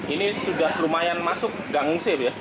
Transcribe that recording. ini sudah lumayan masuk nggak ngungsi ya